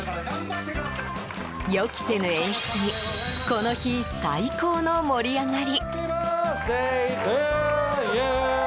予期せぬ演出にこの日、最高の盛り上がり。